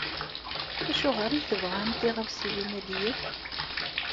Acuɣer i tebɣam tiɣawsiwin-agi yakk?